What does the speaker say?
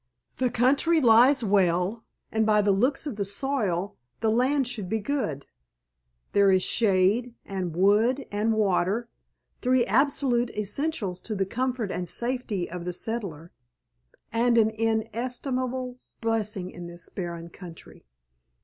The country lies well, and by the looks of the soil the land should be good. There is shade, and wood, and water—three absolute essentials to the comfort and safety of the settler, and an inestimable blessing in this barren country.